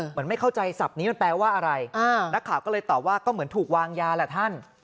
ไม่เข้าใจศัพท์นี้มันแปลว่าอะไรนักข่าวก็เลยตอบว่าก็เหมือนถูกวางยาแหละท่าน